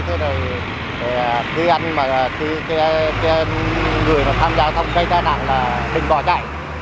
thế rồi người tham gia thông cây tai nạn là đừng bỏ chạy